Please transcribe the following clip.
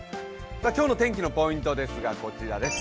今日の天気のポイントですがこちらです。